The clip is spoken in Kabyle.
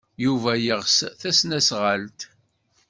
Yuba yeɣs tasnasɣalt.